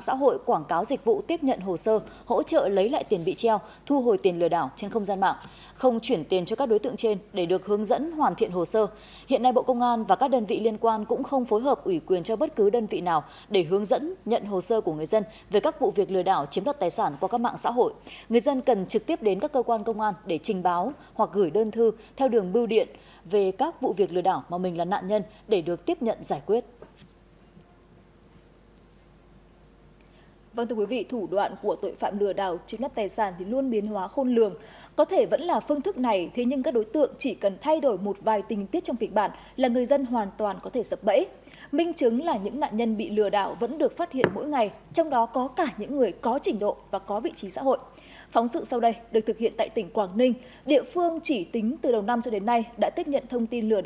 sau đây được thực hiện tại tỉnh quảng ninh địa phương chỉ tính từ đầu năm cho đến nay đã tiếp nhận thông tin lừa đảo với số tiền hơn hai trăm linh tỷ đồng